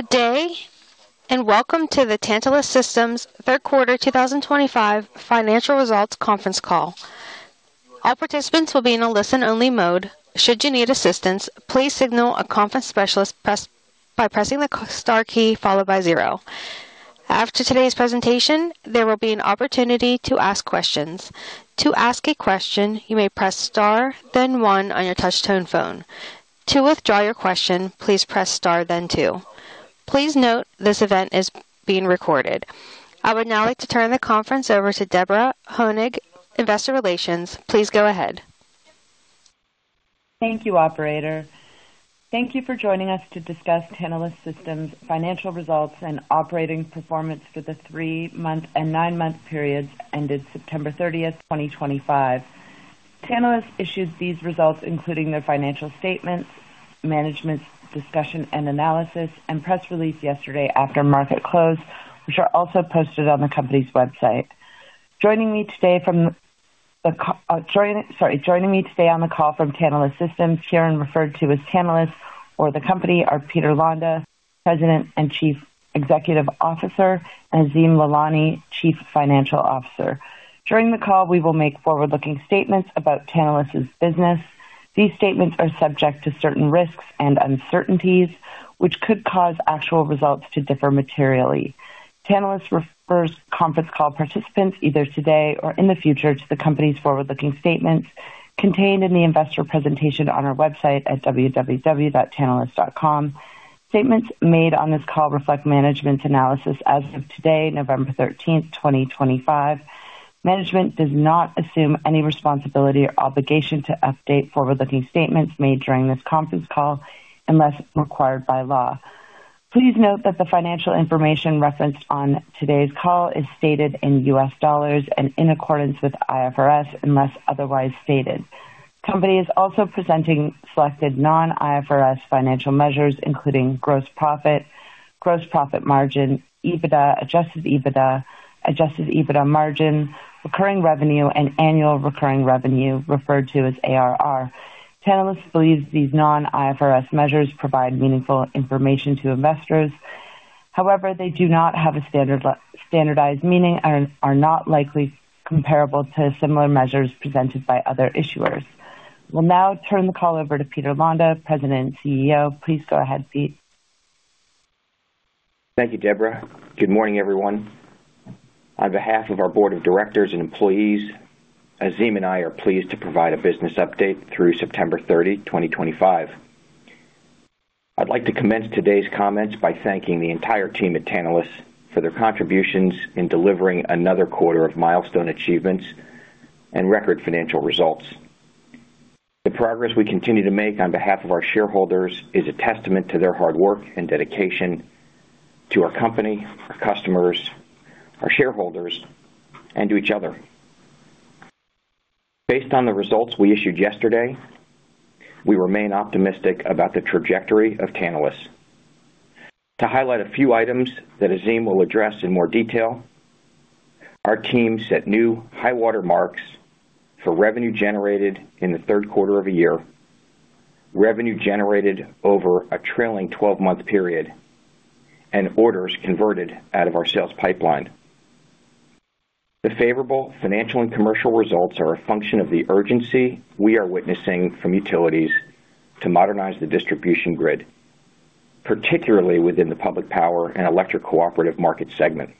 Good day, and welcome to the Tantalus Systems third quarter 2025 financial results conference call. All participants will be in a listen-only mode. Should you need assistance, please signal a conference specialist by pressing the star key followed by zero. After today's presentation, there will be an opportunity to ask questions. To ask a question, you may press star, then one on your touch-tone phone. To withdraw your question, please press star, then two. Please note this event is being recorded. I would now like to turn the conference over to Deborah Honig, Investor Relations. Please go ahead. Thank you, operator. Thank you for joining us to discuss Tantalus Systems' financial results and operating performance for the three-month and nine-month periods ended September 30, 2025. Tantalus issued these results, including their financial statements, management discussion and analysis, and press release yesterday after market close, which are also posted on the company's website. Joining me today on the call from Tantalus Systems, here and referred to as Tantalus or the company, are Peter Londa, President and Chief Executive Officer, and Azim Lalani, Chief Financial Officer. During the call, we will make forward-looking statements about Tantalus's business. These statements are subject to certain risks and uncertainties, which could cause actual results to differ materially. Tantalus refers conference call participants, either today or in the future, to the company's forward-looking statements contained in the investor presentation on our website at www.tantalus.com. Statements made on this call reflect management's analysis as of today, November 13th, 2025. Management does not assume any responsibility or obligation to update forward-looking statements made during this conference call unless required by law. Please note that the financial information referenced on today's call is stated in U.S. dollars and in accordance with IFRS unless otherwise stated. The company is also presenting selected non-IFRS financial measures, including gross profit, gross profit margin, EBITDA, Adjusted EBITDA, Adjusted EBITDA margin, recurring revenue, and annual recurring revenue, referred to as ARR. Tantalus believes these non-IFRS measures provide meaningful information to investors. However, they do not have a standardized meaning and are not likely comparable to similar measures presented by other issuers. We'll now turn the call over to Peter Londa, President and CEO. Please go ahead, Pete. Thank you, Deborah. Good morning, everyone. On behalf of our Board of Directors and employees, Azim and I are pleased to provide a business update through September 30, 2025. I'd like to commence today's comments by thanking the entire team at Tantalus for their contributions in delivering another quarter of milestone achievements and record financial results. The progress we continue to make on behalf of our shareholders is a testament to their hard work and dedication to our company, our customers, our shareholders, and to each other. Based on the results we issued yesterday, we remain optimistic about the trajectory of Tantalus. To highlight a few items that Azim will address in more detail, our team set new high-water marks for revenue generated in the third quarter of a year, revenue generated over a trailing 12-month period, and orders converted out of our sales pipeline. The favorable financial and commercial results are a function of the urgency we are witnessing from utilities to modernize the distribution grid, particularly within the public power and electric cooperative market segment.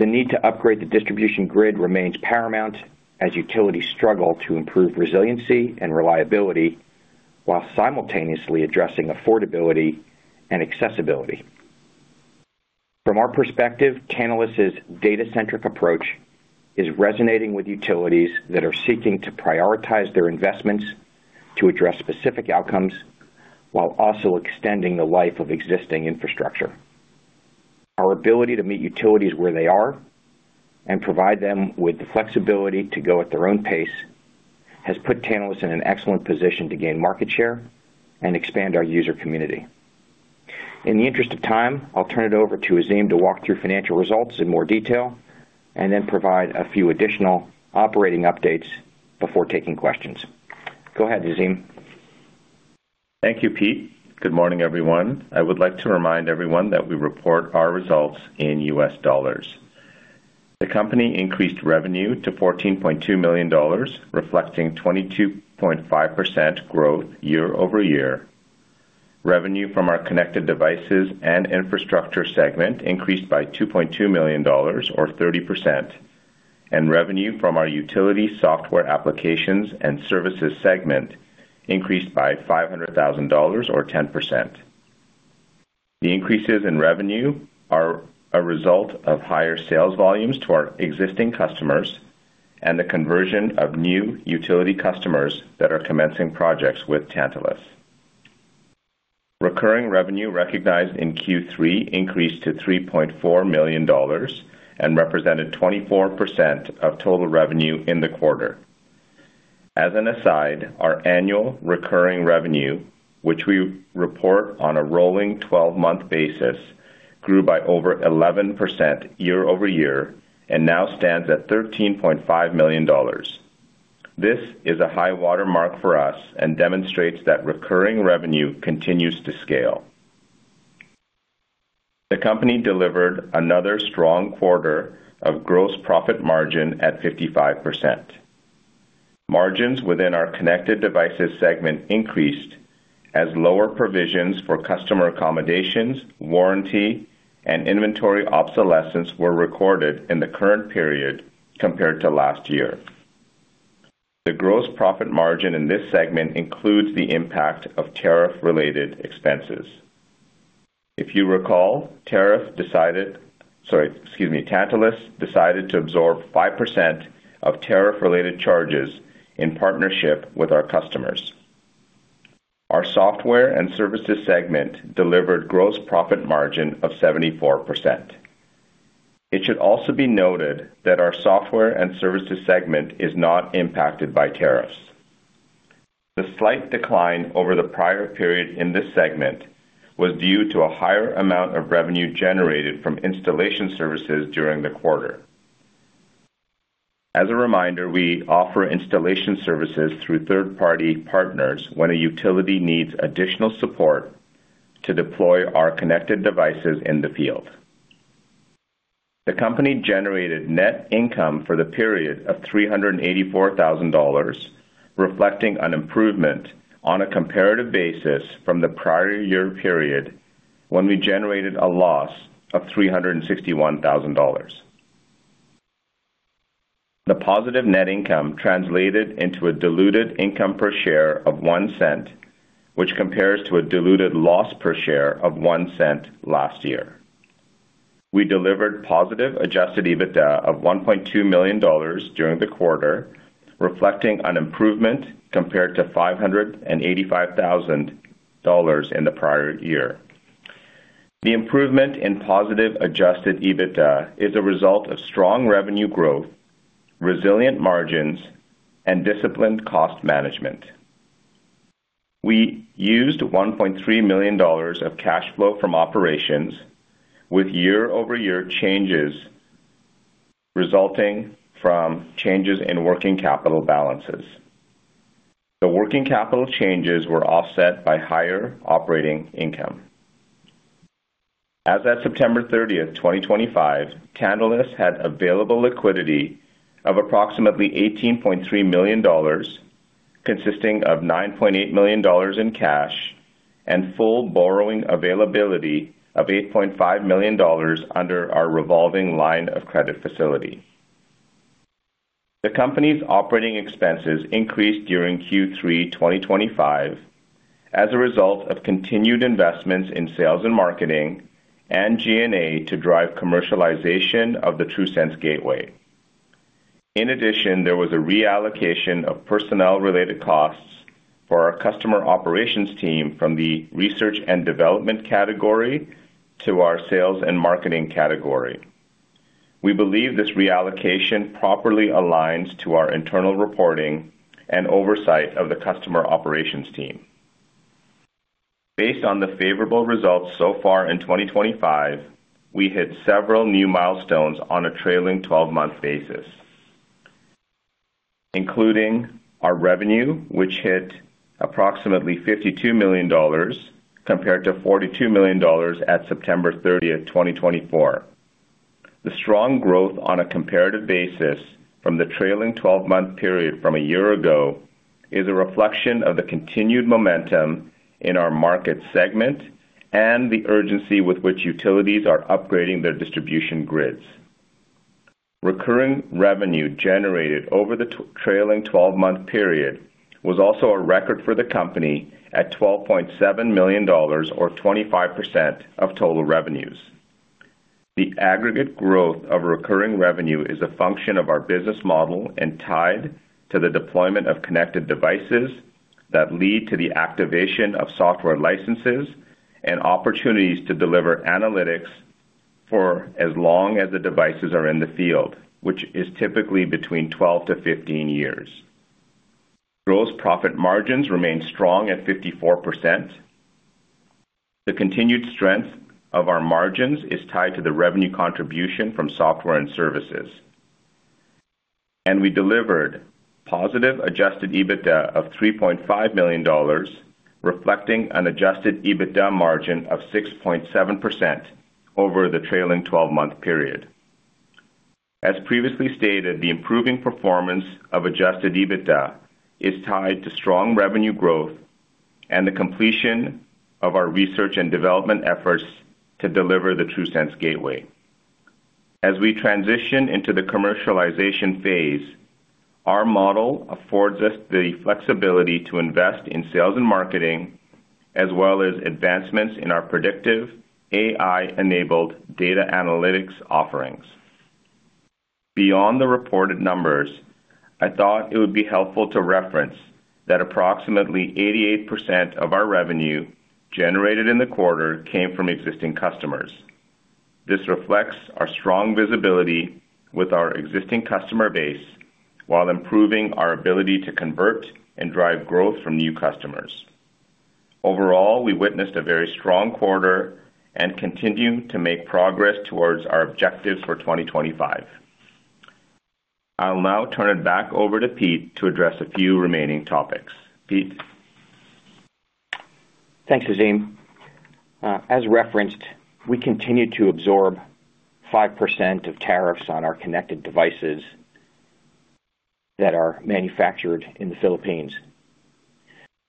The need to upgrade the distribution grid remains paramount as utilities struggle to improve resiliency and reliability while simultaneously addressing affordability and accessibility. From our perspective, Tantalus's data-centric approach is resonating with utilities that are seeking to prioritize their investments to address specific outcomes while also extending the life of existing infrastructure. Our ability to meet utilities where they are and provide them with the flexibility to go at their own pace has put Tantalus in an excellent position to gain market share and expand our user community. In the interest of time, I'll turn it over to Azim to walk through financial results in more detail and then provide a few additional operating updates before taking questions. Go ahead, Azim. Thank you, Pete. Good morning, everyone. I would like to remind everyone that we report our results in U.S. dollars. The company increased revenue to $14.2 million, reflecting 22.5% growth year-over-year. Revenue from our connected devices and infrastructure segment increased by $2.2 million, or 30%, and revenue from our utility software applications and services segment increased by $500,000, or 10%. The increases in revenue are a result of higher sales volumes to our existing customers and the conversion of new utility customers that are commencing projects with Tantalus. Recurring revenue recognized in Q3 increased to $3.4 million and represented 24% of total revenue in the quarter. As an aside, our annual recurring revenue, which we report on a rolling 12-month basis, grew by over 11% year-over-year and now stands at $13.5 million. This is a high-water mark for us and demonstrates that recurring revenue continues to scale. The company delivered another strong quarter of gross profit margin at 55%. Margins within our connected devices segment increased as lower provisions for customer accommodations, warranty, and inventory obsolescence were recorded in the current period compared to last year. The gross profit margin in this segment includes the impact of tariff-related expenses. If you recall, Tantalus decided to absorb 5% of tariff-related charges in partnership with our customers. Our software and services segment delivered gross profit margin of 74%. It should also be noted that our software and services segment is not impacted by tariffs. The slight decline over the prior period in this segment was due to a higher amount of revenue generated from installation services during the quarter. As a reminder, we offer installation services through third-party partners when a utility needs additional support to deploy our connected devices in the field. The company generated net income for the period of $384,000, reflecting an improvement on a comparative basis from the prior year period when we generated a loss of $361,000. The positive net income translated into a diluted income per share of $0.01, which compares to a diluted loss per share of $0.01 last year. We delivered positive Adjusted EBITDA of $1.2 million during the quarter, reflecting an improvement compared to $585,000 in the prior year. The improvement in positive Adjusted EBITDA is a result of strong revenue growth, resilient margins, and disciplined cost management. We used $1.3 million of cash flow from operations with year-over-year changes resulting from changes in working capital balances. The working capital changes were offset by higher operating income. As of September 30th, 2025, Tantalus had available liquidity of approximately $18.3 million, consisting of $9.8 million in cash and full borrowing availability of $8.5 million under our revolving line of credit facility. The company's operating expenses increased during Q3 2025 as a result of continued investments in sales and marketing and G&A to drive commercialization of the TRUSense Gateway. In addition, there was a reallocation of personnel-related costs for our customer operations team from the research and development category to our sales and marketing category. We believe this reallocation properly aligns to our internal reporting and oversight of the customer operations team. Based on the favorable results so far in 2025, we hit several new milestones on a trailing 12-month basis, including our revenue, which hit approximately $52 million compared to $42 million at September 30th, 2024. The strong growth on a comparative basis from the trailing 12-month period from a year ago is a reflection of the continued momentum in our market segment and the urgency with which utilities are upgrading their distribution grids. Recurring revenue generated over the trailing 12-month period was also a record for the company at $12.7 million, or 25% of total revenues. The aggregate growth of recurring revenue is a function of our business model and tied to the deployment of connected devices that lead to the activation of software licenses and opportunities to deliver analytics for as long as the devices are in the field, which is typically between 12-15 years. Gross profit margins remain strong at 54%. The continued strength of our margins is tied to the revenue contribution from software and services. We delivered positive Adjusted EBITDA of $3.5 million, reflecting an Adjusted EBITDA margin of 6.7% over the trailing 12-month period. As previously stated, the improving performance of Adjusted EBITDA is tied to strong revenue growth and the completion of our research and development efforts to deliver the TRUSense Gateway. As we transition into the commercialization phase, our model affords us the flexibility to invest in sales and marketing as well as advancements in our predictive AI-enabled data analytics offerings. Beyond the reported numbers, I thought it would be helpful to reference that approximately 88% of our revenue generated in the quarter came from existing customers. This reflects our strong visibility with our existing customer base while improving our ability to convert and drive growth from new customers. Overall, we witnessed a very strong quarter and continue to make progress towards our objectives for 2025. I'll now turn it back over to Pete to address a few remaining topics. Pete. Thanks, Azim. As referenced, we continue to absorb 5% of tariffs on our connected devices that are manufactured in the Philippines.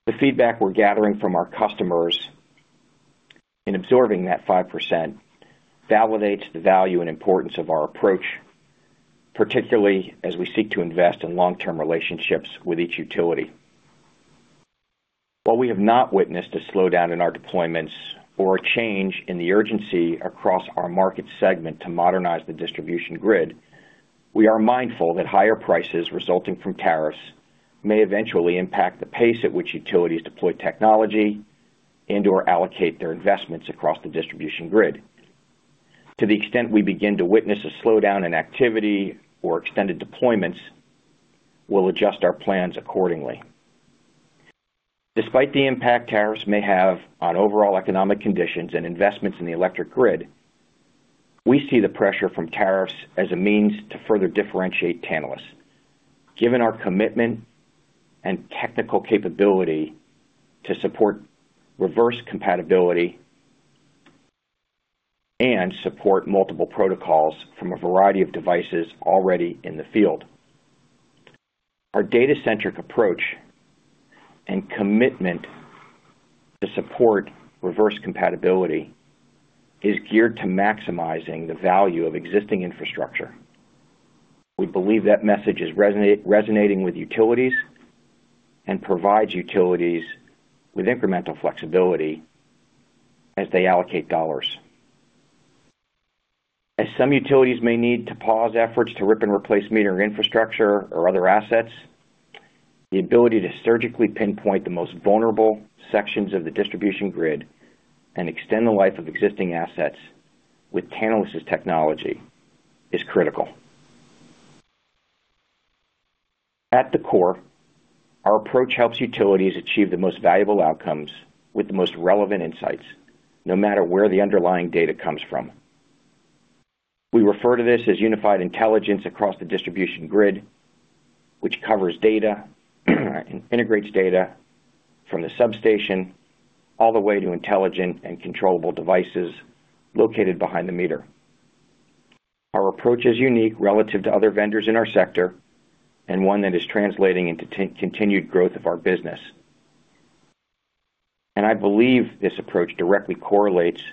The feedback we're gathering from our customers in absorbing that 5% validates the value and importance of our approach, particularly as we seek to invest in long-term relationships with each utility. While we have not witnessed a slowdown in our deployments or a change in the urgency across our market segment to modernize the distribution grid, we are mindful that higher prices resulting from tariffs may eventually impact the pace at which utilities deploy technology and/or allocate their investments across the distribution grid. To the extent we begin to witness a slowdown in activity or extended deployments, we'll adjust our plans accordingly. Despite the impact tariffs may have on overall economic conditions and investments in the electric grid, we see the pressure from tariffs as a means to further differentiate Tantalus. Given our commitment and technical capability to support reverse compatibility and support multiple protocols from a variety of devices already in the field, our data-centric approach and commitment to support reverse compatibility is geared to maximizing the value of existing infrastructure. We believe that message is resonating with utilities and provides utilities with incremental flexibility as they allocate dollars. As some utilities may need to pause efforts to rip and replace metering infrastructure or other assets, the ability to surgically pinpoint the most vulnerable sections of the distribution grid and extend the life of existing assets with Tantalus's technology is critical. At the core, our approach helps utilities achieve the most valuable outcomes with the most relevant insights, no matter where the underlying data comes from. We refer to this as unified intelligence across the distribution grid, which covers data and integrates data from the substation all the way to intelligent and controllable devices located behind the meter. Our approach is unique relative to other vendors in our sector and one that is translating into continued growth of our business. I believe this approach directly correlates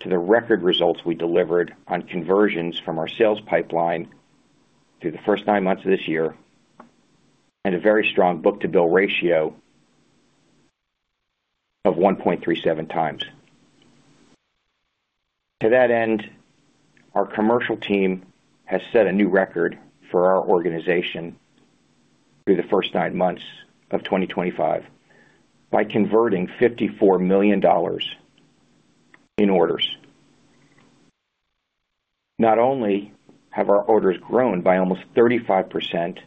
to the record results we delivered on conversions from our sales pipeline through the first nine months of this year and a very strong book-to-bill ratio of 1.37x. To that end, our commercial team has set a new record for our organization through the first nine months of 2025 by converting $54 million in orders. Not only have our orders grown by almost 35%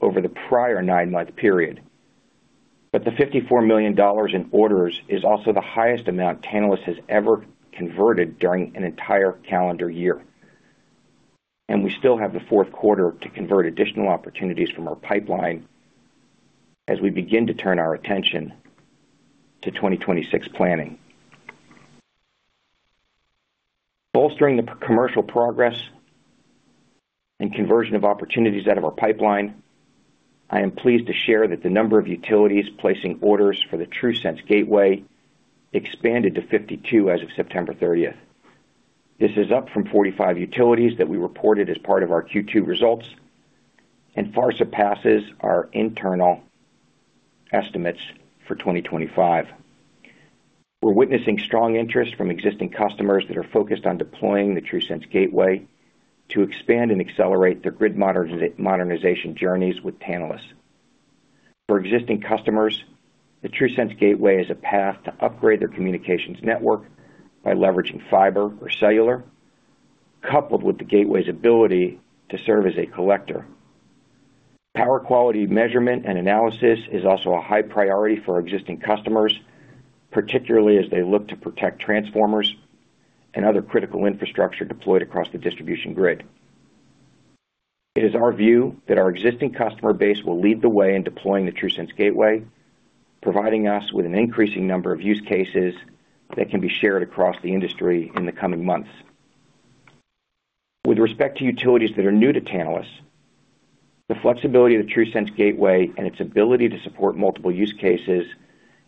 over the prior nine-month period, but the $54 million in orders is also the highest amount Tantalus has ever converted during an entire calendar year. We still have the fourth quarter to convert additional opportunities from our pipeline as we begin to turn our attention to 2026 planning. Bolstering the commercial progress and conversion of opportunities out of our pipeline, I am pleased to share that the number of utilities placing orders for the TRUSense Gateway expanded to 52 as of September 30th. This is up from 45 utilities that we reported as part of our Q2 results and far surpasses our internal estimates for 2025. We're witnessing strong interest from existing customers that are focused on deploying the TRUSense Gateway to expand and accelerate their grid modernization journeys with Tantalus. For existing customers, the TRUSense Gateway is a path to upgrade their communications network by leveraging fiber or cellular, coupled with the gateway's ability to serve as a collector. Power quality measurement and analysis is also a high priority for existing customers, particularly as they look to protect transformers and other critical infrastructure deployed across the distribution grid. It is our view that our existing customer base will lead the way in deploying the TRUSense Gateway, providing us with an increasing number of use cases that can be shared across the industry in the coming months. With respect to utilities that are new to Tantalus, the flexibility of the TRUSense Gateway and its ability to support multiple use cases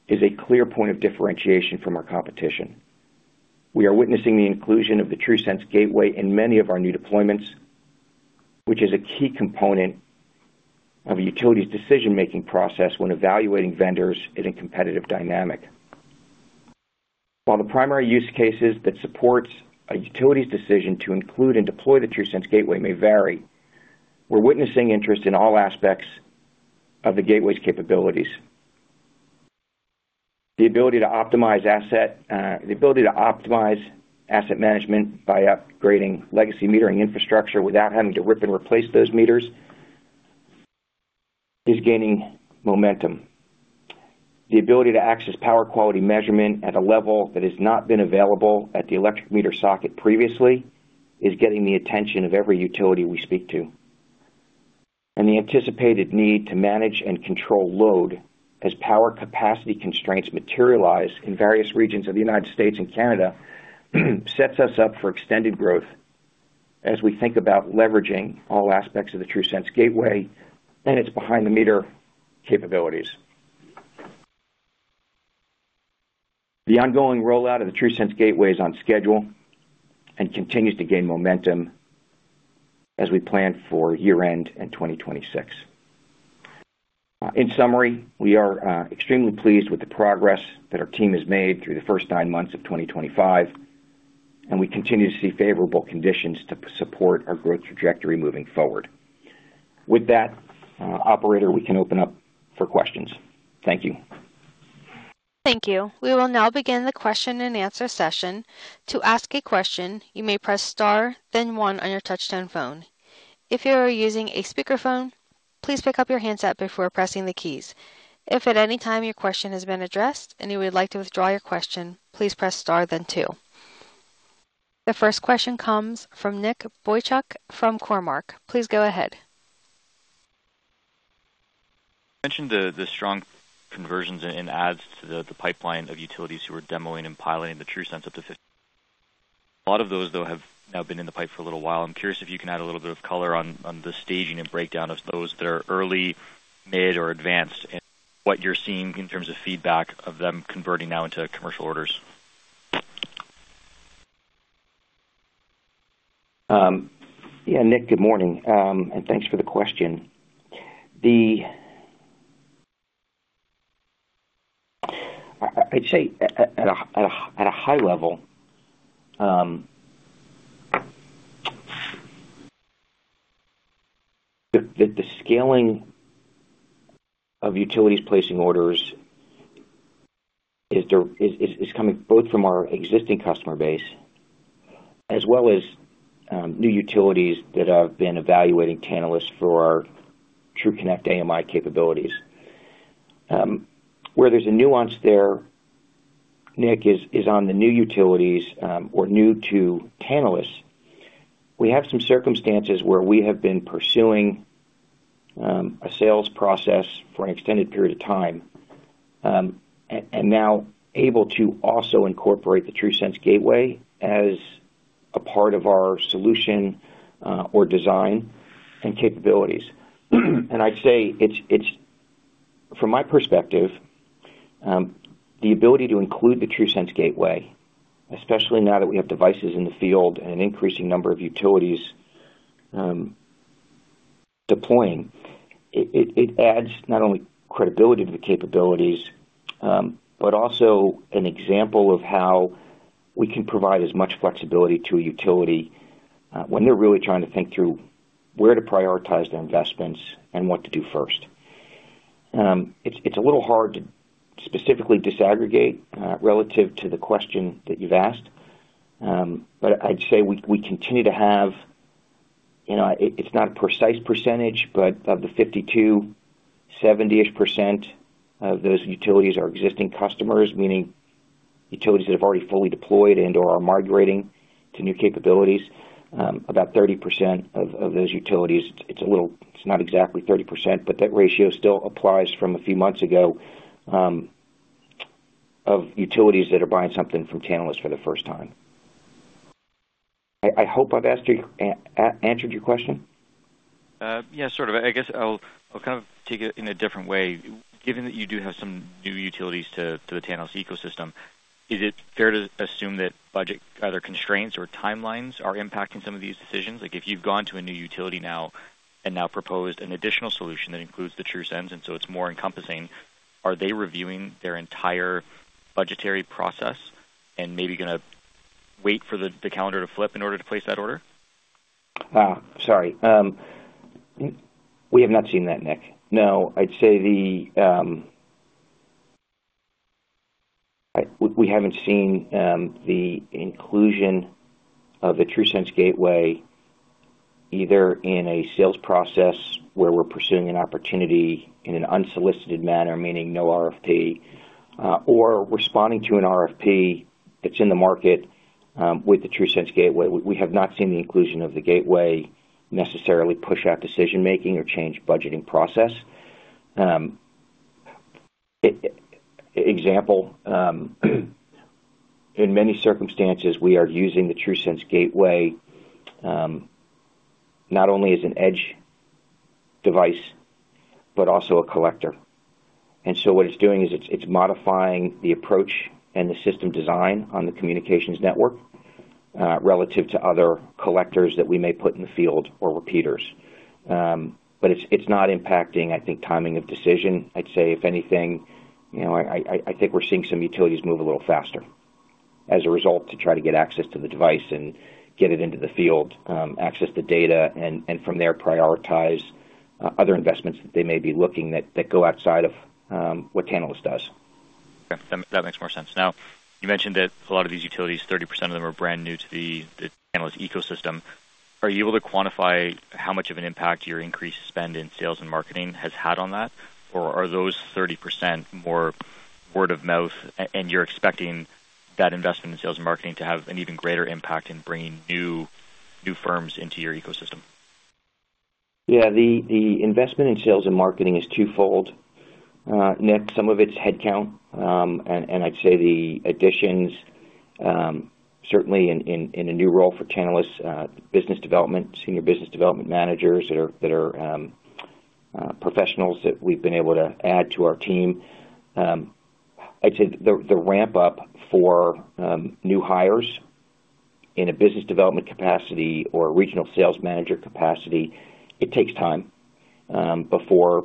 is a clear point of differentiation from our competition. We are witnessing the inclusion of the TRUSense Gateway in many of our new deployments, which is a key component of a utility's decision-making process when evaluating vendors in a competitive dynamic. While the primary use cases that support a utility's decision to include and deploy the TRUSense Gateway may vary, we're witnessing interest in all aspects of the gateway's capabilities. The ability to optimize asset management by upgrading legacy metering infrastructure without having to rip and replace those meters is gaining momentum. The ability to access power quality measurement at a level that has not been available at the electric meter socket previously is getting the attention of every utility we speak to. The anticipated need to manage and control load as power capacity constraints materialize in various regions of the United States and Canada sets us up for extended growth as we think about leveraging all aspects of the TRUSense Gateway and its behind-the-meter capabilities. The ongoing rollout of the TRUSense Gateway is on schedule and continues to gain momentum as we plan for year-end in 2026. In summary, we are extremely pleased with the progress that our team has made through the first nine months of 2025, and we continue to see favorable conditions to support our growth trajectory moving forward. With that, operator, we can open up for questions. Thank you. Thank you. We will now begin the question-and-answer session. To ask a question, you may press star, then one on your touch-tone phone. If you are using a speakerphone, please pick up your handset before pressing the keys. If at any time your question has been addressed and you would like to withdraw your question, please press star, then two. The first question comes from Nick Boychuk from Cormark. Please go ahead. Mentioned the strong conversions and adds to the pipeline of utilities who were demoing and piloting the TruSense up to 15. A lot of those, though, have now been in the pipe for a little while. I'm curious if you can add a little bit of color on the staging and breakdown of those that are early, mid, or advanced, and what you're seeing in terms of feedback of them converting now into commercial orders. Yeah, Nick, good morning. Thanks for the question. I'd say at a high level, the scaling of utilities placing orders is coming both from our existing customer base as well as new utilities that have been evaluating Tantalus for our TruConnect AMI capabilities. Where there's a nuance there, Nick, is on the new utilities or new to Tantalus, we have some circumstances where we have been pursuing a sales process for an extended period of time and now able to also incorporate the TRUSense Gateway as a part of our solution or design and capabilities. I'd say, from my perspective, the ability to include the TRUSense Gateway, especially now that we have devices in the field and an increasing number of utilities deploying, it adds not only credibility to the capabilities but also an example of how we can provide as much flexibility to a utility when they're really trying to think through where to prioritize their investments and what to do first. It's a little hard to specifically disaggregate relative to the question that you've asked, but I'd say we continue to have—it's not a precise percentage, but of the 52%, 70% of those utilities are existing customers, meaning utilities that have already fully deployed and/or are migrating to new capabilities. About 30% of those utilities—it's not exactly 30%, but that ratio still applies from a few months ago of utilities that are buying something from Tantalus for the first time. I hope I've answered your question. Yeah, sort of. I guess I'll kind of take it in a different way. Given that you do have some new utilities to the Tantalus ecosystem, is it fair to assume that budget either constraints or timelines are impacting some of these decisions? If you've gone to a new utility now and now proposed an additional solution that includes the TruSense, and so it's more encompassing, are they reviewing their entire budgetary process and maybe going to wait for the calendar to flip in order to place that order? Sorry. We have not seen that, Nick. No, I'd say we haven't seen the inclusion of the TRUSense Gateway either in a sales process where we're pursuing an opportunity in an unsolicited manner, meaning no RFP, or responding to an RFP that's in the market with the TRUSense Gateway. We have not seen the inclusion of the gateway necessarily push out decision-making or change budgeting process. Example, in many circumstances, we are using the TRUSense Gateway not only as an edge device but also a collector. What it's doing is it's modifying the approach and the system design on the communications network relative to other collectors that we may put in the field or repeaters. It's not impacting, I think, timing of decision. I'd say, if anything, I think we're seeing some utilities move a little faster as a result to try to get access to the device and get it into the field, access the data, and from there prioritize other investments that they may be looking at that go outside of what Tantalus does. Okay. That makes more sense. Now, you mentioned that a lot of these utilities, 30% of them are brand new to the Tantalus ecosystem. Are you able to quantify how much of an impact your increased spend in sales and marketing has had on that? Or are those 30% more word of mouth, and you're expecting that investment in sales and marketing to have an even greater impact in bringing new firms into your ecosystem? Yeah. The investment in sales and marketing is twofold. Nick, some of it's headcount, and I'd say the additions, certainly in a new role for Tantalus, business development, senior business development managers that are professionals that we've been able to add to our team. I'd say the ramp-up for new hires in a business development capacity or regional sales manager capacity, it takes time before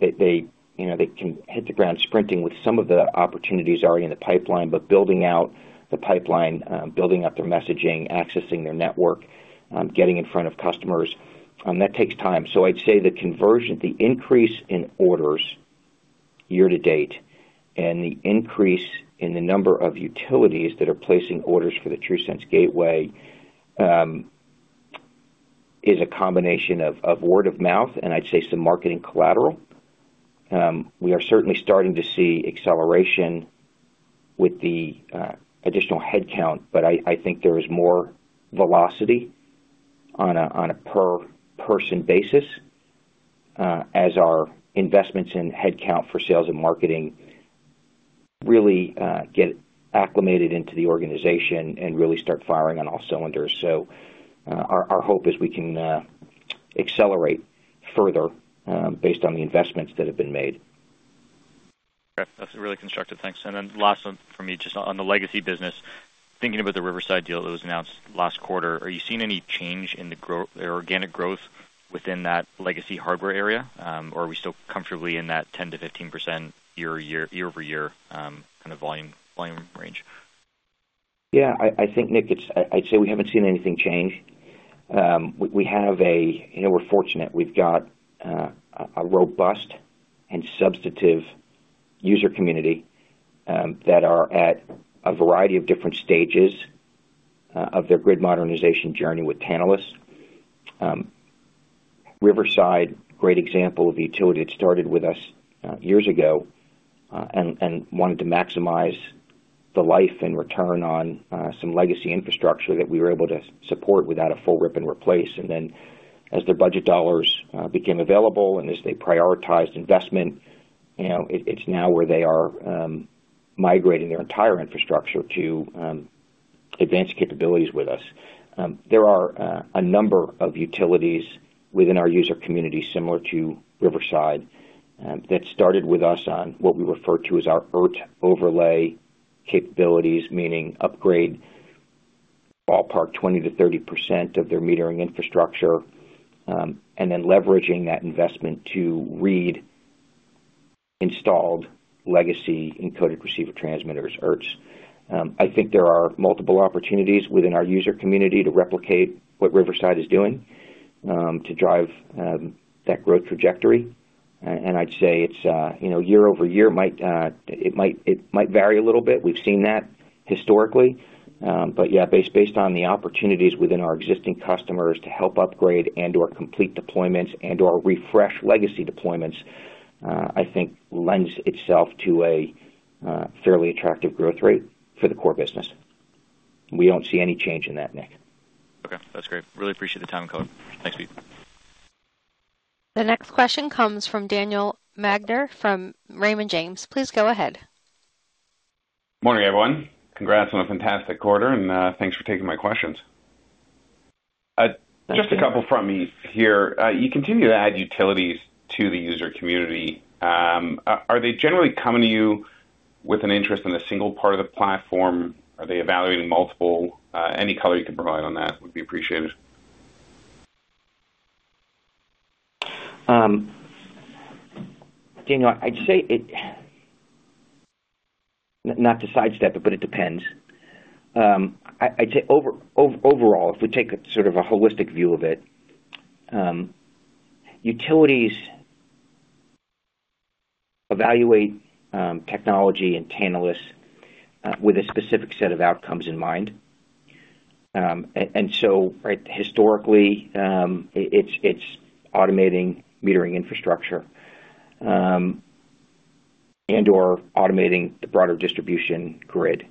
they can hit the ground sprinting with some of the opportunities already in the pipeline, but building out the pipeline, building up their messaging, accessing their network, getting in front of customers, that takes time. I'd say the increase in orders year-to-date and the increase in the number of utilities that are placing orders for the TRUSense Gateway is a combination of word of mouth and I'd say some marketing collateral. We are certainly starting to see acceleration with the additional headcount, but I think there is more velocity on a per-person basis as our investments in headcount for sales and marketing really get acclimated into the organization and really start firing on all cylinders. Our hope is we can accelerate further based on the investments that have been made. Okay. That's really constructive. Thanks. Last one from me just on the legacy business. Thinking about the Riverside deal that was announced last quarter, are you seeing any change in the organic growth within that legacy hardware area, or are we still comfortably in that 10%-15% year-over-year kind of volume range? Yeah. I think, Nick, I'd say we haven't seen anything change. We're fortunate. We've got a robust and substantive user community that are at a variety of different stages of their grid modernization journey with Tantalus. Riverside, great example of a utility that started with us years ago and wanted to maximize the life and return on some legacy infrastructure that we were able to support without a full rip and replace. As their budget dollars became available and as they prioritized investment, it's now where they are migrating their entire infrastructure to advanced capabilities with us. There are a number of utilities within our user community similar to Riverside that started with us on what we refer to as our ERT overlay capabilities, meaning upgrade, ballpark, 20%-30% of their metering infrastructure, and then leveraging that investment to read installed legacy encoded receiver transmitters, ERTs. I think there are multiple opportunities within our user community to replicate what Riverside is doing to drive that growth trajectory. I'd say it's year-over-year; it might vary a little bit. We've seen that historically. Yeah, based on the opportunities within our existing customers to help upgrade and/or complete deployments and/or refresh legacy deployments, I think lends itself to a fairly attractive growth rate for the core business. We don't see any change in that, Nick. Okay. That's great. Really appreciate the time and color. Thanks, Pete. The next question comes from Daniel Magder from Raymond James. Please go ahead. Morning, everyone. Congrats on a fantastic quarter, and thanks for taking my questions. Just a couple from me here. You continue to add utilities to the user community. Are they generally coming to you with an interest in a single part of the platform? Are they evaluating multiple? Any color you can provide on that would be appreciated. Daniel, I'd say not to sidestep it, but it depends. I'd say overall, if we take sort of a holistic view of it, utilities evaluate technology and Tantalus with a specific set of outcomes in mind. Historically, it's automating metering infrastructure and/or automating the broader distribution grid.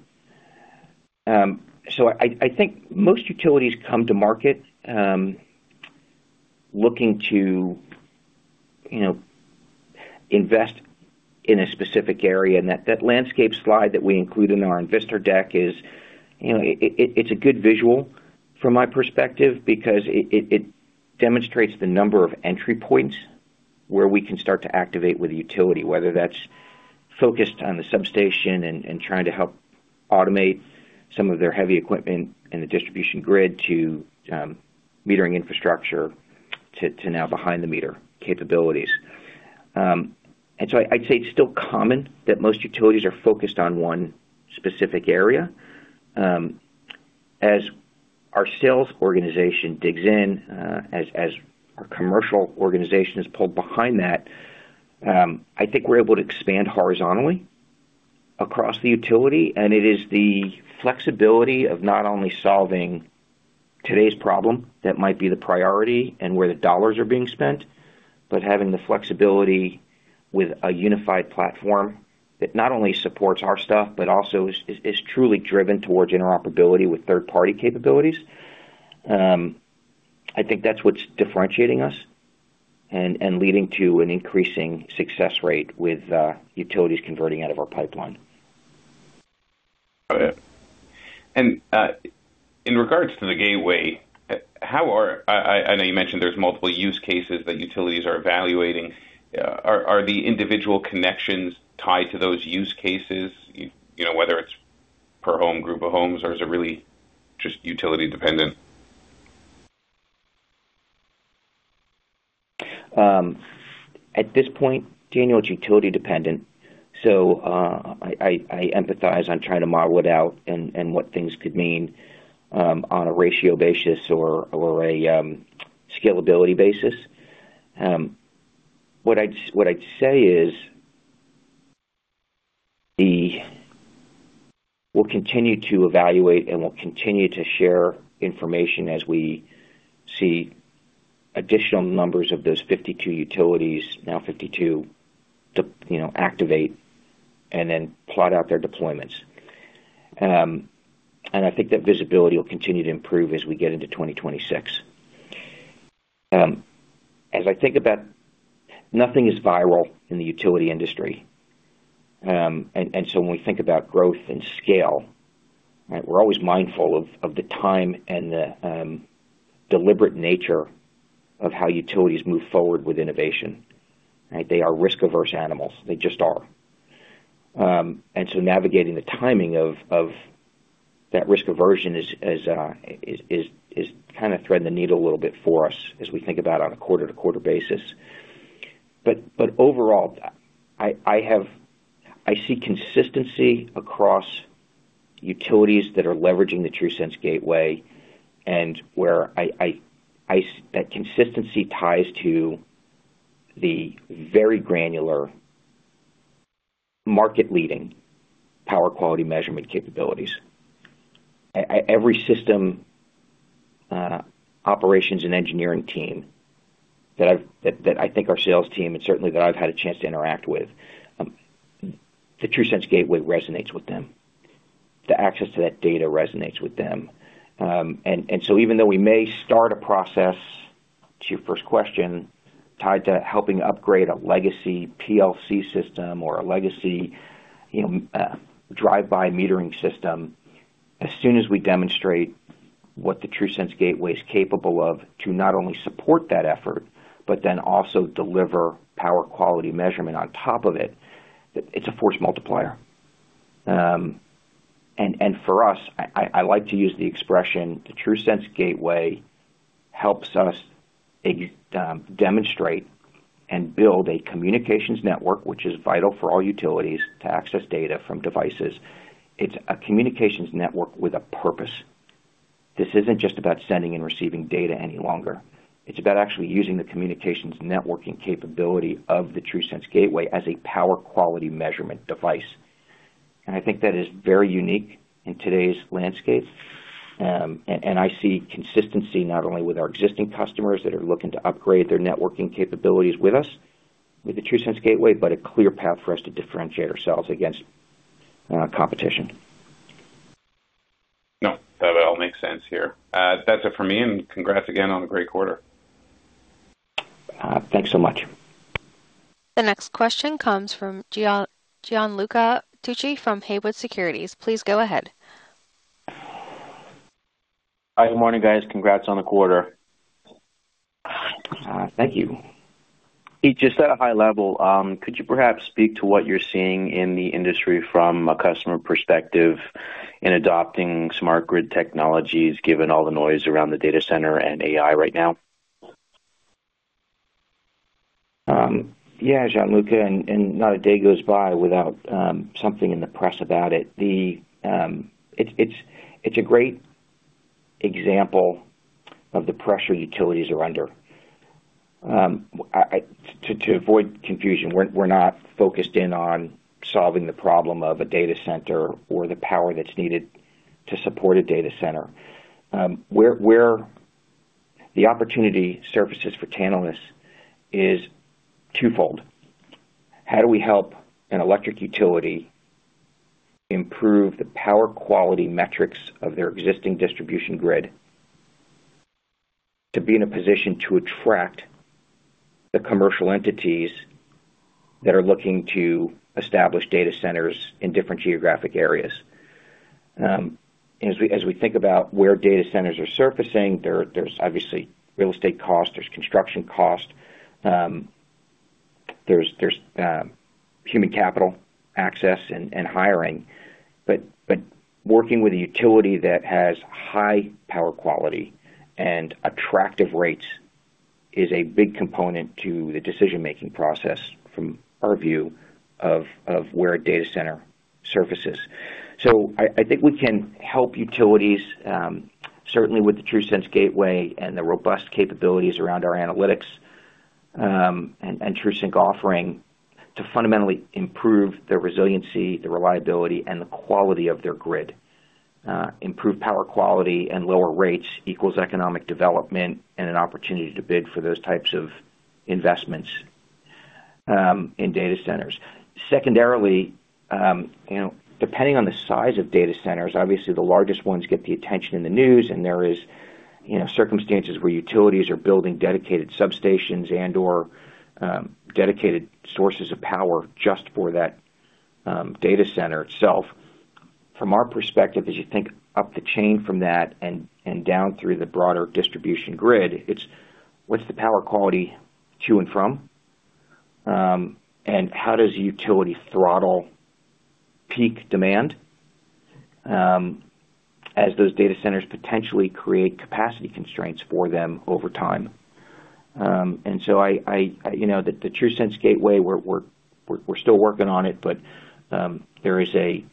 I think most utilities come to market looking to invest in a specific area. That landscape slide that we include in our investor deck, it's a good visual from my perspective because it demonstrates the number of entry points where we can start to activate with utility, whether that's focused on the substation and trying to help automate some of their heavy equipment and the distribution grid to metering infrastructure to now behind-the-meter capabilities. I'd say it's still common that most utilities are focused on one specific area. As our sales organization digs in, as our commercial organization is pulled behind that, I think we're able to expand horizontally across the utility. It is the flexibility of not only solving today's problem that might be the priority and where the dollars are being spent, but having the flexibility with a unified platform that not only supports our stuff but also is truly driven towards interoperability with third-party capabilities. I think that's what's differentiating us and leading to an increasing success rate with utilities converting out of our pipeline. Got it. In regards to the gateway, I know you mentioned there's multiple use cases that utilities are evaluating. Are the individual connections tied to those use cases, whether it's per home, group of homes, or is it really just utility-dependent? At this point, Daniel, it's utility-dependent. I empathize on trying to model it out and what things could mean on a ratio basis or a scalability basis. What I'd say is we'll continue to evaluate and we'll continue to share information as we see additional numbers of those 52 utilities, now 52, activate and then plot out their deployments. I think that visibility will continue to improve as we get into 2026. As I think about it, nothing is viral in the utility industry. When we think about growth and scale, we're always mindful of the time and the deliberate nature of how utilities move forward with innovation. They are risk-averse animals. They just are. Navigating the timing of that risk aversion is kind of threading the needle a little bit for us as we think about on a quarter-to-quarter basis. Overall, I see consistency across utilities that are leveraging the TRUSense Gateway and where that consistency ties to the very granular market-leading power quality measurement capabilities. Every system operations and engineering team that I think our sales team and certainly that I've had a chance to interact with, the TRUSense Gateway resonates with them. The access to that data resonates with them. Even though we may start a process, to your first question, tied to helping upgrade a legacy PLC system or a legacy drive-by metering system, as soon as we demonstrate what the TRUSense Gateway is capable of to not only support that effort but then also deliver power quality measurement on top of it, it's a force multiplier. For us, I like to use the expression the TRUSense Gateway helps us demonstrate and build a communications network, which is vital for all utilities to access data from devices. It's a communications network with a purpose. This isn't just about sending and receiving data any longer. It's about actually using the communications networking capability of the TRUSense Gateway as a power quality measurement device. I think that is very unique in today's landscape. I see consistency not only with our existing customers that are looking to upgrade their networking capabilities with us, with the TRUSense Gateway, but a clear path for us to differentiate ourselves against competition. No. That all makes sense here. That's it for me. Congrats again on a great quarter. Thanks so much. The next question comes from Gianluca Tucci from Haywood Securities. Please go ahead. Hi. Good morning, guys. Congrats on the quarter. Thank you. Pete, just at a high level, could you perhaps speak to what you're seeing in the industry from a customer perspective in adopting smart grid technologies given all the noise around the data center and AI right now? Yeah, Gianluca, and not a day goes by without something in the press about it. It's a great example of the pressure utilities are under. To avoid confusion, we're not focused in on solving the problem of a data center or the power that's needed to support a data center. Where the opportunity surfaces for Tantalus is twofold. How do we help an electric utility improve the power quality metrics of their existing distribution grid to be in a position to attract the commercial entities that are looking to establish data centers in different geographic areas? As we think about where data centers are surfacing, there's obviously real estate cost, there's construction cost, there's human capital access and hiring. Working with a utility that has high power quality and attractive rates is a big component to the decision-making process from our view of where a data center surfaces. I think we can help utilities, certainly with the TRUSense Gateway and the robust capabilities around our analytics and TRUSync offering, to fundamentally improve their resiliency, the reliability, and the quality of their grid. Improved power quality and lower rates equals economic development and an opportunity to bid for those types of investments in data centers. Secondarily, depending on the size of data centers, obviously the largest ones get the attention in the news, and there are circumstances where utilities are building dedicated substations and/or dedicated sources of power just for that data center itself. From our perspective, as you think up the chain from that and down through the broader distribution grid, it is what is the power quality to and from, and how does utility throttle peak demand as those data centers potentially create capacity constraints for them over time. The TRUSense Gateway, we're still working on it, but there is a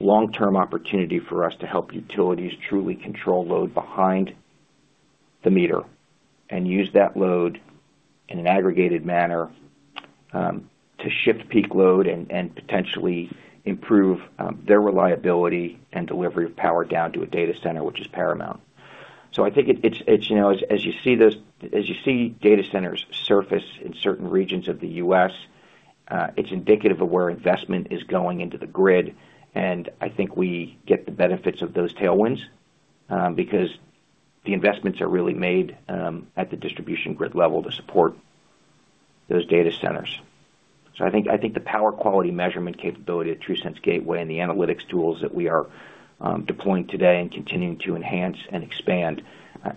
long-term opportunity for us to help utilities truly control load behind the meter and use that load in an aggregated manner to shift peak load and potentially improve their reliability and delivery of power down to a data center, which is paramount. I think as you see this, as you see data centers surface in certain regions of the U.S., it's indicative of where investment is going into the grid. I think we get the benefits of those tailwinds because the investments are really made at the distribution grid level to support those data centers. I think the power quality measurement capability at TRUSense Gateway and the analytics tools that we are deploying today and continuing to enhance and expand,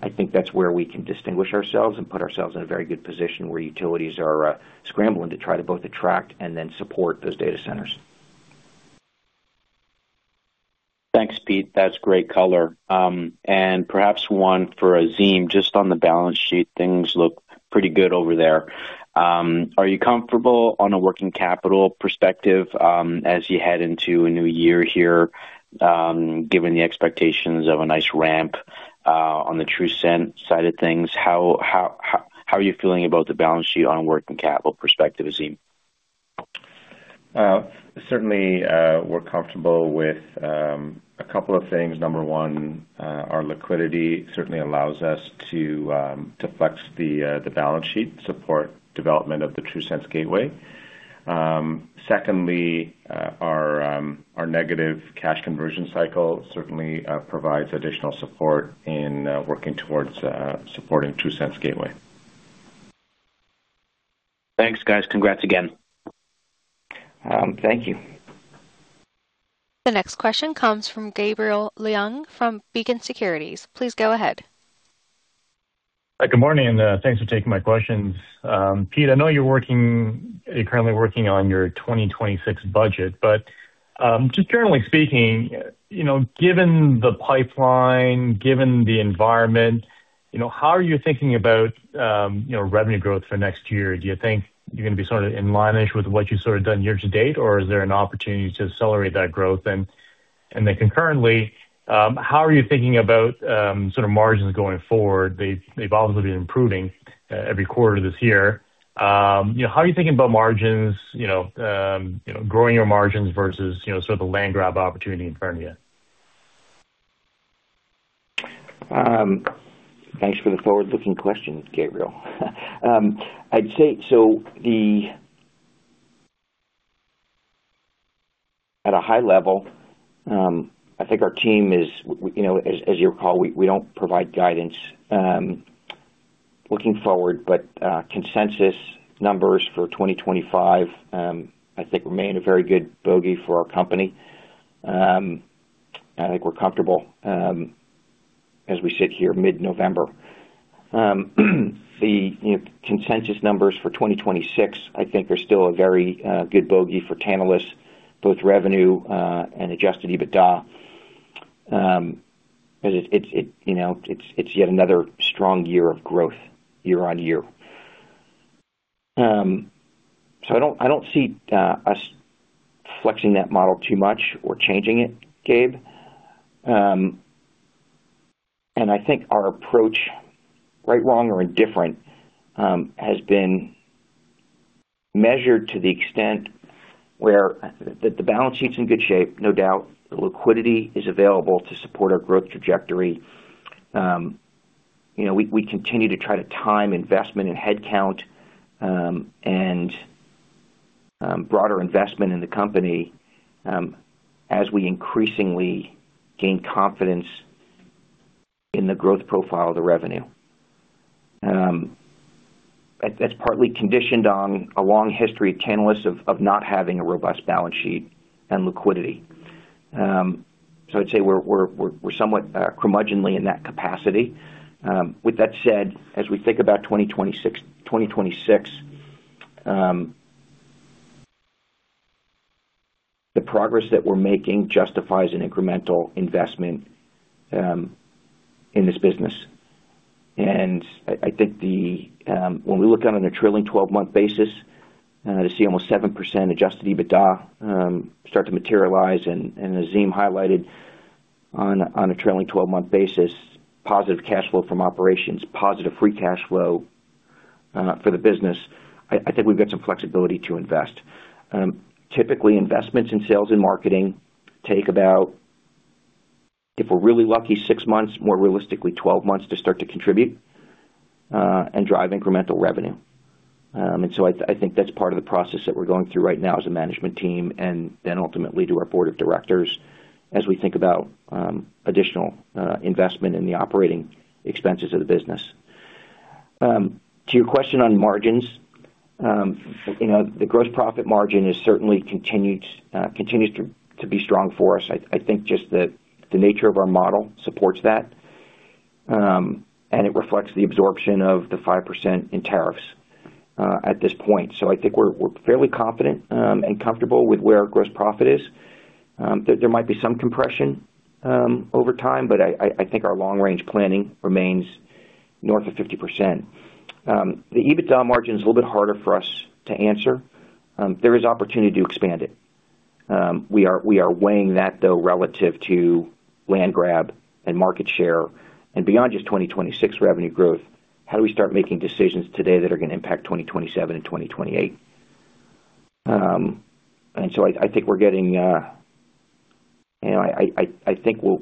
I think that's where we can distinguish ourselves and put ourselves in a very good position where utilities are scrambling to try to both attract and then support those data centers. Thanks, Pete. That's great color. Perhaps one for Azim, just on the balance sheet, things look pretty good over there. Are you comfortable on a working capital perspective as you head into a new year here, given the expectations of a nice ramp on the TruSense side of things? How are you feeling about the balance sheet on a working capital perspective, Azim? Certainly, we're comfortable with a couple of things. Number one, our liquidity certainly allows us to flex the balance sheet to support development of the TRUSense Gateway. Secondly, our negative cash conversion cycle certainly provides additional support in working towards supporting TRUSense Gateway. Thanks, guys. Congrats again. Thank you. The next question comes from Gabriel Leun from Beacon Securities. Please go ahead. Good morning, and thanks for taking my questions. Pete, I know you're currently working on your 2026 budget, but just generally speaking, given the pipeline, given the environment, how are you thinking about revenue growth for next year? Do you think you're going to be sort of in line with what you've sort of done year to date, or is there an opportunity to accelerate that growth? Concurrently, how are you thinking about sort of margins going forward? They've obviously been improving every quarter this year. How are you thinking about margins, growing your margins versus sort of the land grab opportunity in front of you? Thanks for the forward-looking question, Gabriel. I'd say so at a high level, I think our team is, as you recall, we don't provide guidance looking forward, but consensus numbers for 2025, I think, remain a very good bogey for our company. I think we're comfortable as we sit here mid-November. The consensus numbers for 2026, I think, are still a very good bogey for Tantalus, both revenue and Adjusted EBITDA, because it's yet another strong year of growth year on year. I don't see us flexing that model too much or changing it, Gabe. I think our approach, right, wrong, or indifferent, has been measured to the extent where the balance sheet's in good shape, no doubt. The liquidity is available to support our growth trajectory. We continue to try to time investment and headcount and broader investment in the company as we increasingly gain confidence in the growth profile of the revenue. That is partly conditioned on a long history of Tantalus of not having a robust balance sheet and liquidity. I would say we are somewhat curmudgeonly in that capacity. With that said, as we think about 2026, the progress that we are making justifies an incremental investment in this business. I think when we look at it on a trailing 12-month basis, to see almost 7% Adjusted EBITDA start to materialize, and Azim highlighted on a trailing 12-month basis, positive cash flow from operations, positive free cash flow for the business, I think we have got some flexibility to invest. Typically, investments in sales and marketing take about, if we are really lucky, six months, more realistically 12 months to start to contribute and drive incremental revenue. I think that's part of the process that we're going through right now as a management team and then ultimately to our board of directors as we think about additional investment in the operating expenses of the business. To your question on margins, the gross profit margin has certainly continued to be strong for us. I think just the nature of our model supports that, and it reflects the absorption of the 5% in tariffs at this point. I think we're fairly confident and comfortable with where our gross profit is. There might be some compression over time, but I think our long-range planning remains north of 50%. The EBITDA margin is a little bit harder for us to answer. There is opportunity to expand it. We are weighing that, though, relative to land grab and market share and beyond just 2026 revenue growth. How do we start making decisions today that are going to impact 2027 and 2028? I think the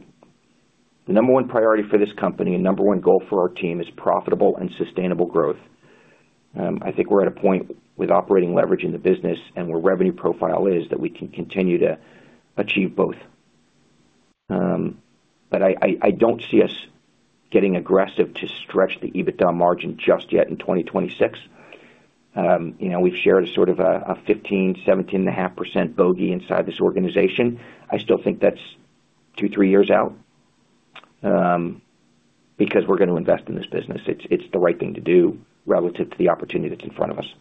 number one priority for this company and number one goal for our team is profitable and sustainable growth. I think we're at a point with operating leverage in the business and where revenue profile is that we can continue to achieve both. I don't see us getting aggressive to stretch the EBITDA margin just yet in 2026. We've shared a sort of a 15%-17.5% bogey inside this organization. I still think that's two-three years out because we're going to invest in this business. It's the right thing to do relative to the opportunity that's in front of us.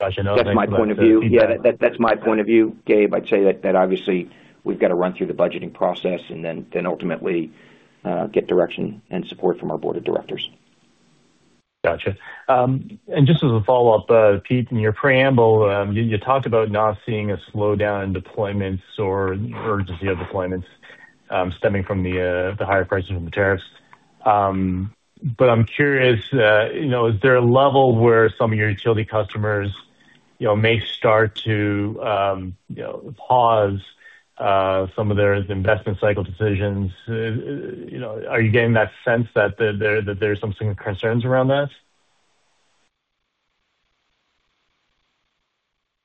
Gotcha. No, thank you. That's my point of view. Yeah, that's my point of view. Gabe, I'd say that obviously we've got to run through the budgeting process and then ultimately get direction and support from our board of directors. Gotcha. And just as a follow-up, Pete, in your preamble, you talked about not seeing a slowdown in deployments or urgency of deployments stemming from the higher prices and the tariffs. But I'm curious, is there a level where some of your utility customers may start to pause some of their investment cycle decisions? Are you getting that sense that there are some concerns around that?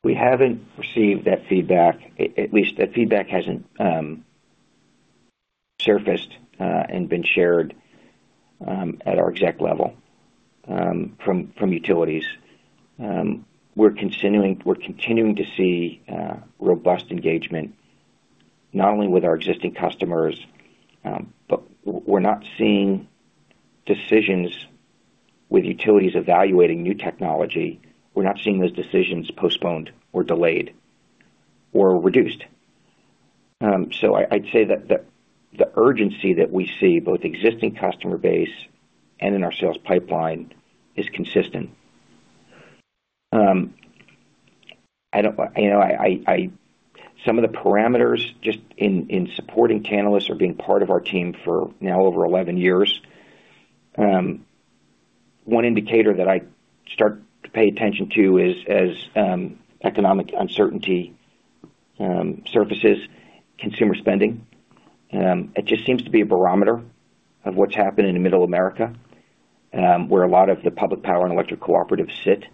We haven't received that feedback. At least that feedback hasn't surfaced and been shared at our exec level from utilities. We're continuing to see robust engagement not only with our existing customers, but we're not seeing decisions with utilities evaluating new technology. We're not seeing those decisions postponed or delayed or reduced. I'd say that the urgency that we see both in the existing customer base and in our sales pipeline is consistent. Some of the parameters just in supporting Tantalus or being part of our team for now over 11 years, one indicator that I start to pay attention to is as economic uncertainty surfaces, consumer spending. It just seems to be a barometer of what's happened in the middle of America where a lot of the public power and electric cooperatives sit.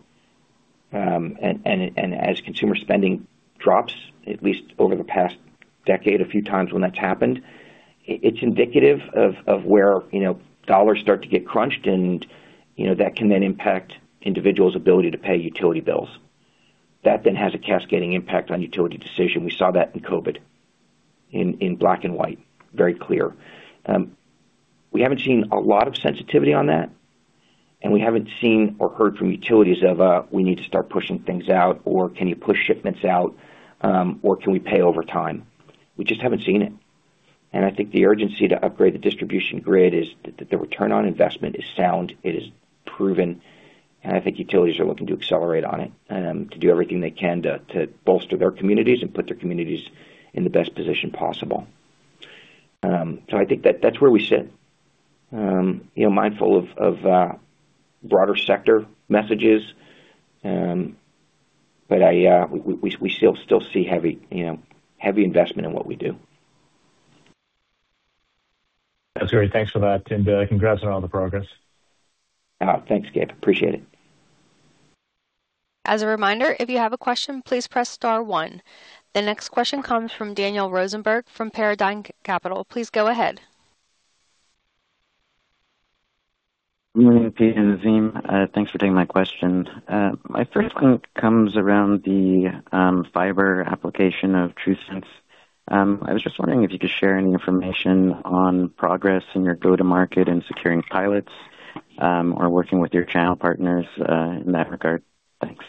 As consumer spending drops, at least over the past decade, a few times when that's happened, it's indicative of where dollars start to get crunched, and that can then impact individuals' ability to pay utility bills. That then has a cascading impact on utility decision. We saw that in COVID in black and white, very clear. We haven't seen a lot of sensitivity on that, and we haven't seen or heard from utilities of, "We need to start pushing things out," or, "Can you push shipments out," or, "Can we pay over time?" We just haven't seen it. I think the urgency to upgrade the distribution grid is that the return on investment is sound. It is proven. I think utilities are looking to accelerate on it to do everything they can to bolster their communities and put their communities in the best position possible. I think that's where we sit, mindful of broader sector messages, but we still see heavy investment in what we do. That's great. Thanks for that. Congrats on all the progress. Thanks, Gabe. Appreciate it. As a reminder, if you have a question, please press star one. The next question comes from Daniel Rosenberg from Paradigm Capital. Please go ahead. Good morning, Pete and Azim. Thanks for taking my question. My first one comes around the fiber application of TruSense. I was just wondering if you could share any information on progress in your go-to-market and securing pilots or working with your channel partners in that regard. Thanks.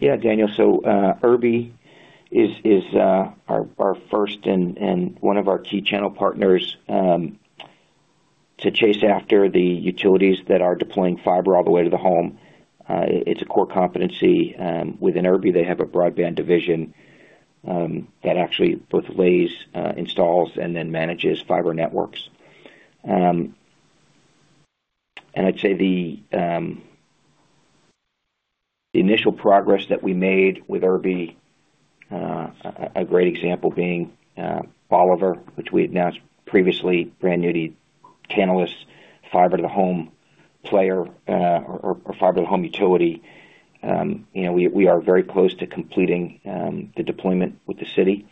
Yeah, Daniel. Urby is our first and one of our key channel partners to chase after the utilities that are deploying fiber all the way to the home. It's a core competency within Urby. They have a broadband division that actually both lays, installs, and then manages fiber networks. I'd say the initial progress that we made with Urby, a great example being Oliver, which we announced previously, brand new Tantalus fiber to the home player or fiber to the home utility. We are very close to completing the deployment with the city.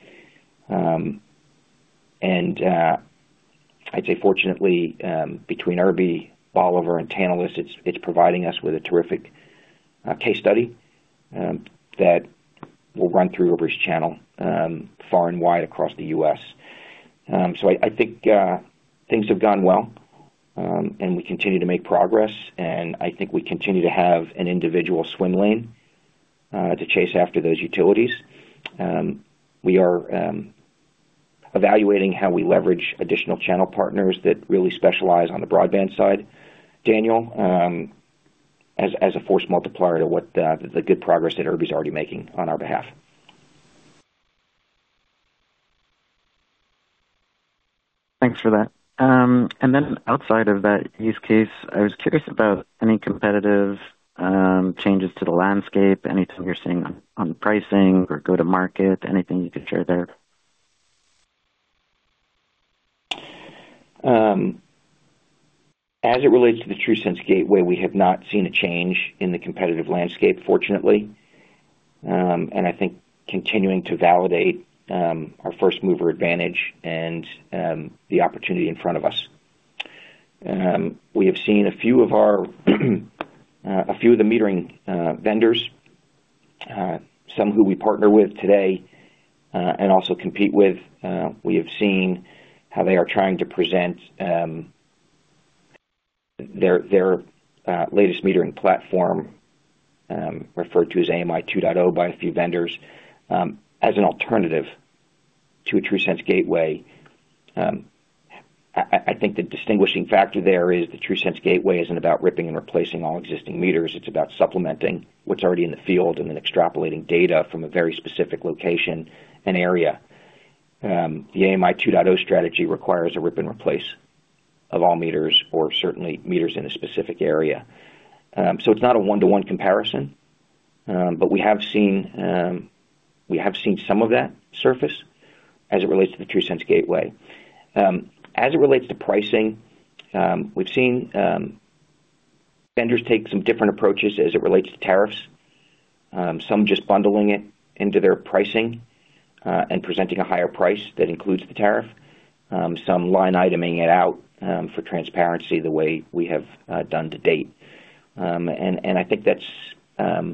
I'd say, fortunately, between Urby, Oliver, and Tantalus, it's providing us with a terrific case study that we'll run through Urby's channel far and wide across the U.S. I think things have gone well, and we continue to make progress. I think we continue to have an individual swim lane to chase after those utilities. We are evaluating how we leverage additional channel partners that really specialize on the broadband side, Daniel, as a force multiplier to what the good progress that Urby is already making on our behalf. Thanks for that. Outside of that use case, I was curious about any competitive changes to the landscape, anything you're seeing on pricing or go-to-market, anything you could share there. As it relates to the TRUSense Gateway, we have not seen a change in the competitive landscape, fortunately. I think continuing to validate our first mover advantage and the opportunity in front of us. We have seen a few of the metering vendors, some who we partner with today and also compete with. We have seen how they are trying to present their latest metering platform, referred to as AMI 2.0 by a few vendors, as an alternative to a TRUSense Gateway. I think the distinguishing factor there is the TRUSense Gateway is not about ripping and replacing all existing meters. It is about supplementing what is already in the field and then extrapolating data from a very specific location and area. The AMI 2.0 strategy requires a rip and replace of all meters or certainly meters in a specific area. It's not a one-to-one comparison, but we have seen some of that surface as it relates to the TRUSense Gateway. As it relates to pricing, we've seen vendors take some different approaches as it relates to tariffs, some just bundling it into their pricing and presenting a higher price that includes the tariff, some line iteming it out for transparency the way we have done to date. I think that's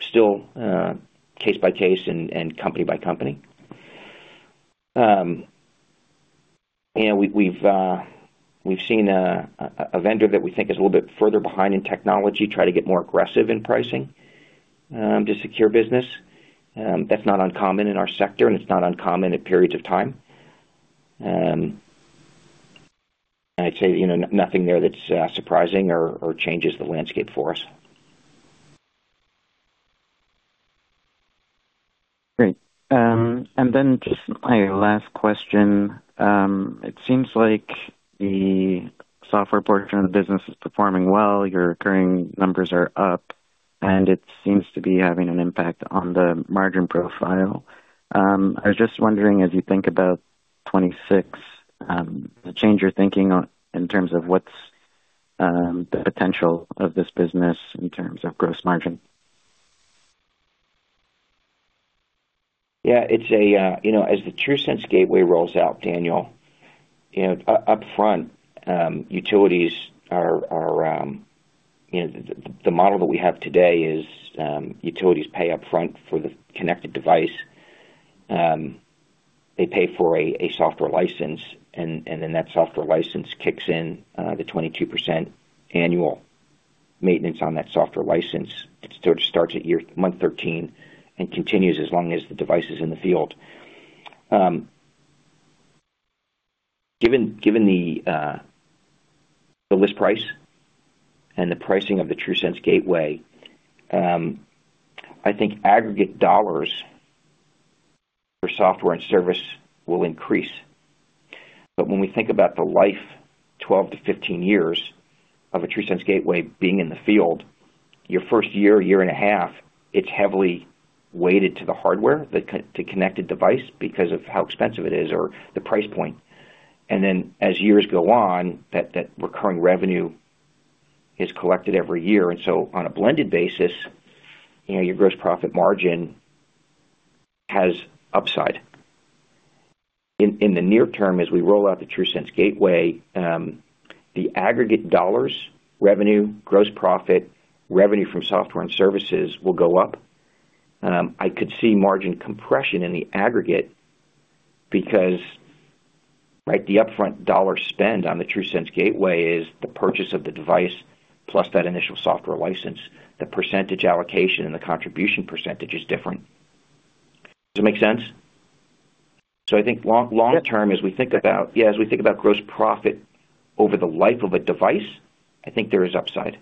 still case by case and company by company. We've seen a vendor that we think is a little bit further behind in technology try to get more aggressive in pricing to secure business. That's not uncommon in our sector, and it's not uncommon at periods of time. I'd say nothing there that's surprising or changes the landscape for us. Great. And then just my last question. It seems like the software portion of the business is performing well. Your recurring numbers are up, and it seems to be having an impact on the margin profile. I was just wondering, as you think about 2026, the change you're thinking in terms of what's the potential of this business in terms of gross margin? Yeah. As the TRUSense Gateway rolls out, Daniel, upfront, utilities are—the model that we have today is utilities pay upfront for the connected device. They pay for a software license, and then that software license kicks in the 22% annual maintenance on that software license. It sort of starts at year month 13 and continues as long as the device is in the field. Given the list price and the pricing of the TRUSense Gateway, I think aggregate dollars for software and service will increase. When we think about the life, 12-15 years of a TRUSense Gateway being in the field, your first year, year and a half, it's heavily weighted to the hardware, to connected device because of how expensive it is or the price point. As years go on, that recurring revenue is collected every year. On a blended basis, your gross profit margin has upside. In the near term, as we roll out the TRUSense Gateway, the aggregate dollars, revenue, gross profit, revenue from software and services will go up. I could see margin compression in the aggregate because the upfront dollar spend on the TRUSense Gateway is the purchase of the device plus that initial software license. The percentage allocation and the contribution percentage is different. Does it make sense? I think long term, as we think about, yeah, as we think about gross profit over the life of a device, I think there is upside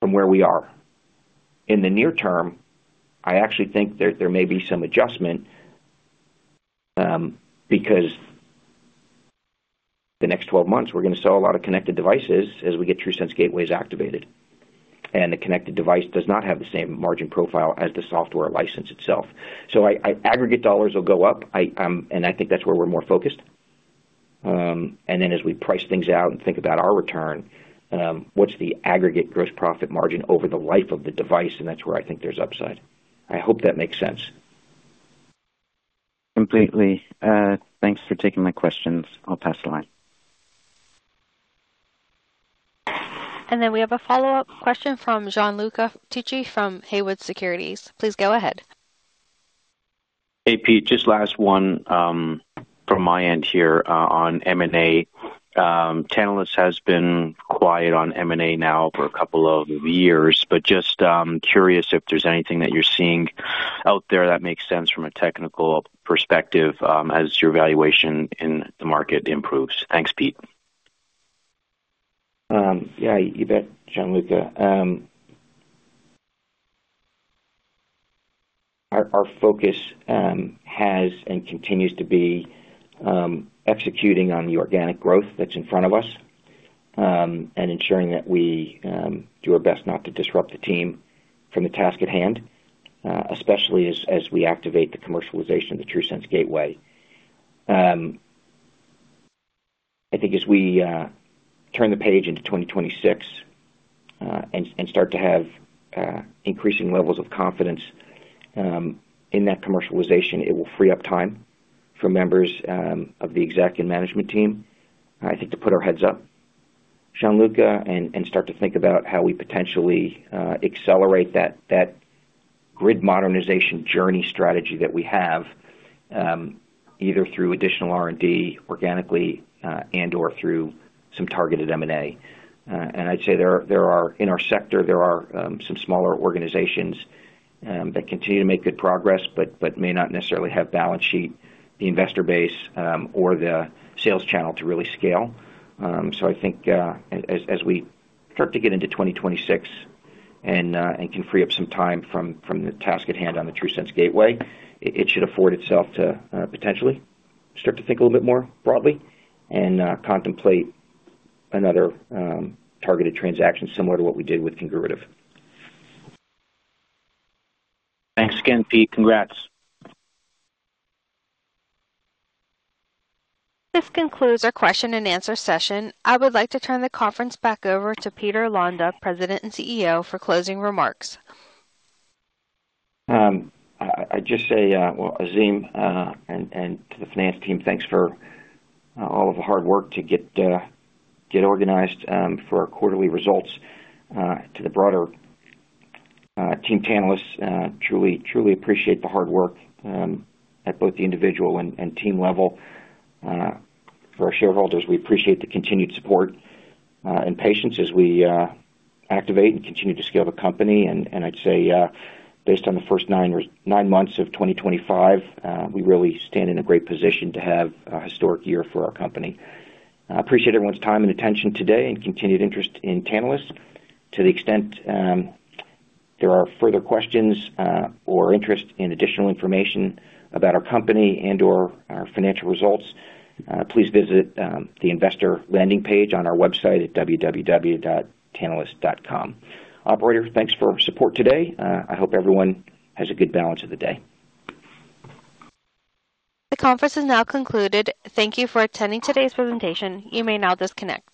from where we are. In the near term, I actually think there may be some adjustment because the next 12 months, we're going to sell a lot of connected devices as we get TRUSense Gateways activated. The connected device does not have the same margin profile as the software license itself. Aggregate dollars will go up, and I think that's where we're more focused. As we price things out and think about our return, what's the aggregate gross profit margin over the life of the device? That's where I think there's upside. I hope that makes sense. Completely. Thanks for taking my questions. I'll pass the line. We have a follow-up question from Gianluca Tucci from Haywood Securities. Please go ahead. Hey, Pete. Just last one from my end here on M&A. Tantalus has been quiet on M&A now for a couple of years, but just curious if there's anything that you're seeing out there that makes sense from a technical perspective as your evaluation in the market improves. Thanks, Pete. Yeah, you bet, Gianluca. Our focus has and continues to be executing on the organic growth that's in front of us and ensuring that we do our best not to disrupt the team from the task at hand, especially as we activate the commercialization of the TRUSense Gateway. I think as we turn the page into 2026 and start to have increasing levels of confidence in that commercialization, it will free up time for members of the exec and management team, I think, to put our heads up, Gianluca, and start to think about how we potentially accelerate that grid modernization journey strategy that we have either through additional R&D organically and/or through some targeted M&A. I'd say in our sector, there are some smaller organizations that continue to make good progress but may not necessarily have the balance sheet, the investor base, or the sales channel to really scale. I think as we start to get into 2026 and can free up some time from the task at hand on the TRUSense Gateway, it should afford itself to potentially start to think a little bit more broadly and contemplate another targeted transaction similar to what we did with Congruitive. Thanks again, Pete. Congrats. This concludes our question and answer session. I would like to turn the conference back over to Peter Londa, President and CEO, for closing remarks. I'd just say, Azim and to the finance team, thanks for all of the hard work to get organized for our quarterly results. To the broader team panelists, truly appreciate the hard work at both the individual and team level. For our shareholders, we appreciate the continued support and patience as we activate and continue to scale the company. I'd say based on the first nine months of 2025, we really stand in a great position to have a historic year for our company. I appreciate everyone's time and attention today and continued interest in Tantalus. To the extent there are further questions or interest in additional information about our company and/or our financial results, please visit the investor landing page on our website at www.tantalus.com. Operator, thanks for support today. I hope everyone has a good balance of the day. The conference is now concluded. Thank you for attending today's presentation. You may now disconnect.